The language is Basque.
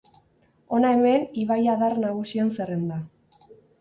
Hona hemen ibaiadar nagusien zerrenda.